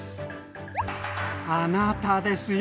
あなたですよ。